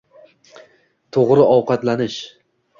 To‘g‘ri ovqatlanish.